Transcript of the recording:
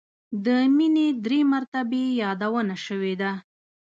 د مینې درې مرتبې یادونه شوې ده.